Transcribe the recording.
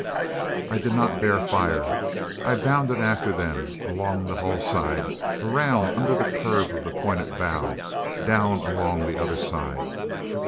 I did not dare fire. I bounded after them along the hull side, around under the curve of the pointed bow, down along the other side.